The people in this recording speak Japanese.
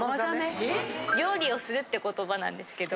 料理をするって言葉なんですけど。